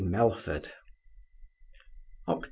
MELFORD Oct.